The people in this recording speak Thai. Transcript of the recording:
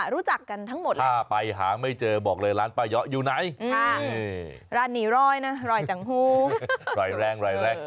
ร้านนี้ร้อยจังหู้ร้อยแรง